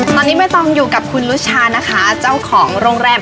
ตอนนี้ใบตองอยู่กับคุณนุชานะคะเจ้าของโรงแรม